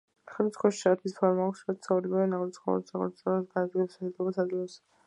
ხიდს ქვიშის საათის ფორმა აქვს, რაც ორივე ნაკრძალის ცხოველებს ნაკრძალებს შორის გადაადგილების შესაძლებლობას აძლევს.